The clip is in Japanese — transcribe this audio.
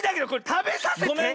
たべさせて。